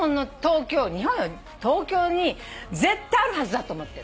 東京に絶対あるはずだと思ってる。